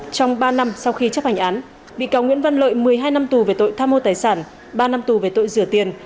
trong ba năm sau khi chấp hành án bị cáo nguyễn văn lợi một mươi hai năm tù về tội tham mô tài sản ba năm tù về tội rửa tiền